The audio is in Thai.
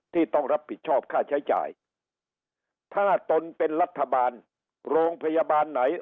ต้องรับผิดชอบค่าใช้จ่ายถ้าตนเป็นรัฐบาลโรงพยาบาลไหน